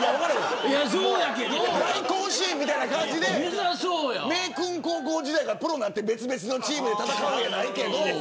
大甲子園みたいな感じで明訓高校時代からプロになって別々のチームで戦うじゃないけど。